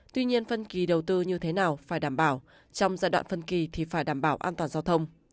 tuy nhiên phân kỳ đầu tư như thế nào phải đảm bảo trong giai đoạn phân kỳ thì phải đảm bảo an toàn giao thông